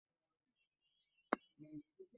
হ্যাঁ, এক বোতল ভালো ওয়াইন হলে কেমন হয়?